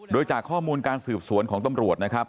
โดยจากข้อมูลการสืบสวนของตำรวจนะครับ